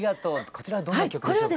こちらどんな曲でしょうか？